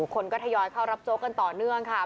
คนก็ทยอยเข้ารับโจ๊กกันต่อเนื่องค่ะ